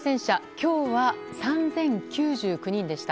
今日は、３０９９人でした。